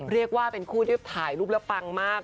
เรียกว่าเป็นคู่ที่ถ่ายรูปแล้วปังมาก